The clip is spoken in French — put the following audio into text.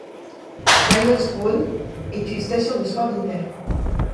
Baiersbronn est une station de sports d'hiver.